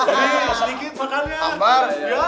jadi sedikit makannya